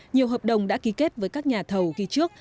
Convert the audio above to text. nhiều hợp đồng đã ký kết với các nhà thầu ghi trước